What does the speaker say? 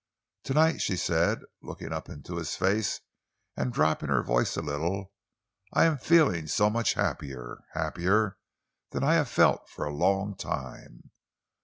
"To night," she said, looking up into his face and dropping her voice a little, "I am feeling so much happier happier than I have felt for a long time.